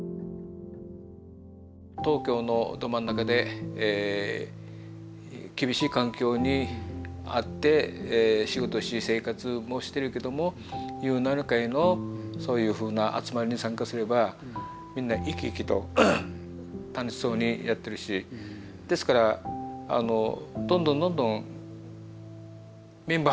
東京のど真ん中で厳しい環境にあって仕事し生活もしてるけどもゆうなの会のそういうふうな集まりに参加すればみんな生き生きと楽しそうにやってるしですからどんどんどんどんメンバーは増えましたよ